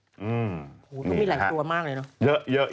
โอ้โหต้องมีหลายตัวมากเลยเนอะ